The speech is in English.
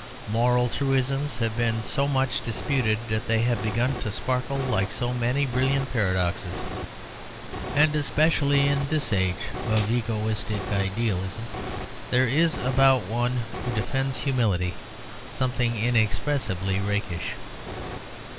Moral truisms have been so much disputed that they have begun to sparkle like so many brilliant paradoxes. And especially (in this age of egoistic idealism) there is about one who defends humility something inexpressibly rakish.